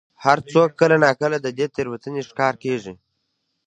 هر څوک کله نا کله د دې تېروتنې ښکار کېږي.